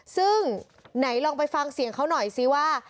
ซึ่งไหนลองไปฟังเสียงเขาหน่อยซิว่า